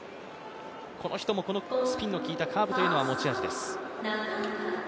この人もこのスピンのきいたカーブというのが持ち味です。